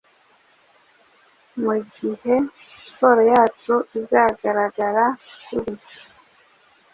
Mugihe siporo yacu izagaragara kuri